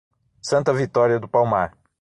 Santa Vitória do Palmar